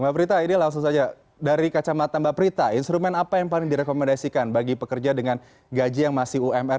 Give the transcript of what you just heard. mbak prita ini langsung saja dari kacamata mbak prita instrumen apa yang paling direkomendasikan bagi pekerja dengan gaji yang masih umr